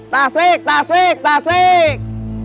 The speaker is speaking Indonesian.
tasik tasik tasik